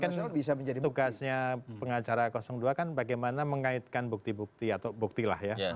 kan sebenarnya kan tugasnya pengacara dua kan bagaimana mengaitkan bukti bukti atau buktilah ya